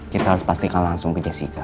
kita harus pastikan langsung ke jessica